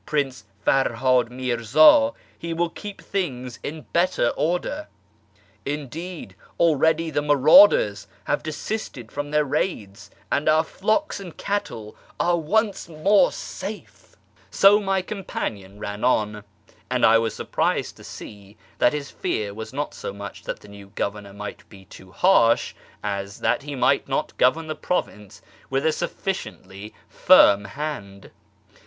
Prince Ferhad Mirza, he will keep things in better order. Indeed, already the marauders have desisted from their raids, and our flocks and cattle are once more safe." FROM ISFAHAN TO SH/rAZ 241 So my companion ran on ; and I was surprised to see that his fear was not so much that the new governor might be too harsh, as that he might not govern the province with a sufficiently firm hand.